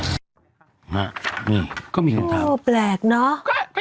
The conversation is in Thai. เนี่ยก็มีคำถามโอ้แปลกเนาะ